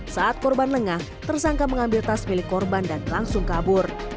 saat korban lengah tersangka mengambil tas milik korban dan langsung kabur